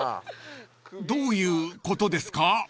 ［どういうことですか？］